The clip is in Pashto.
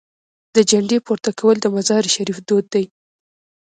د جنډې پورته کول د مزار شریف دود دی.